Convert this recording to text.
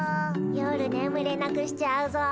夜ねむれなくしちゃうぞ。